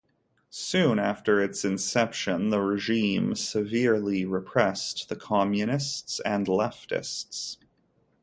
Soon after its inception the regime severely repressed the communists and leftists.